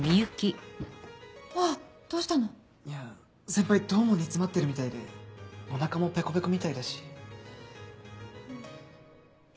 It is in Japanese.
先輩どうも煮詰まってるみたいでお腹もペコペコみたいだし。